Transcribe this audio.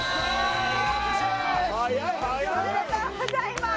速い速い。おめでとうございます。